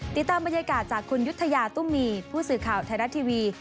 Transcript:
ติดตามบรรยากาศจากคุณยุธยาตุ้มมีผู้สื่อข่าวไทยรัฐทีวี